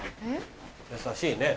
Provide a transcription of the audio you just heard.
優しいね。